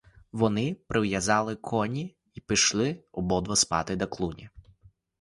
Вони прив'язали коні й пішли обидва спати до клуні.